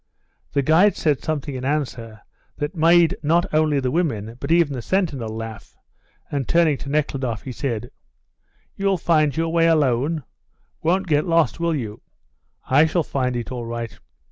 The guide said something in answer that made not only the women but even the sentinel laugh, and, turning to Nekhludoff, he said: "You'll find your way alone? Won't get lost, will you?" "I shall find it all right."